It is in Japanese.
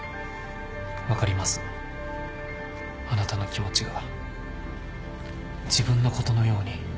分かりますあなたの気持ちが自分のことのように。